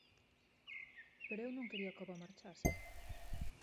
Pero eu non quería que o avó marchase.